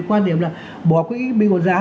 quan điểm là bỏ quỹ bình ổn giá